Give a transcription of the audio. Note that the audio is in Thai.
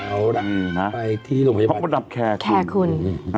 เอาล่ะไปที่โรงพยาบาลแคร์คุณอ๋ออ๋อ